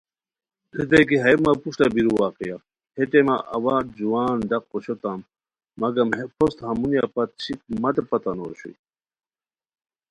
ریتائے کی ہیہ مہ پروشٹہ بیرو واقعہ ہے ٹیمہ اوا دی جوان ڈق اوشوتام مگم ہے پھوست ہمونیہ پت شیک متے پتہ نو اوشوئے